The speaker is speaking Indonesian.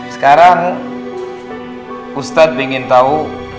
sekarang ustadz ingin tahu